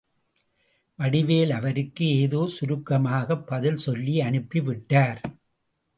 வடிவேல் அவருக்கு ஏதோ சுருக்கமாகப் பதில் சொல்லி அனுப்பிவிட்டார்.